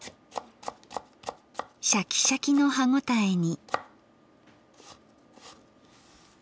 シャキシャキの歯応えに。